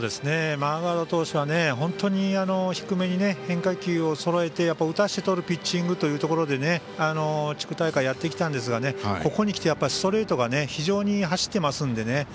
マーガード投手は本当に低めに変化球をそろえて打たせてとるピッチングというところで地区大会、やってきたんですがここにきてストレートが非常に走っていますのでね。